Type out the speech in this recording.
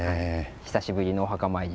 久しぶりのお墓参り。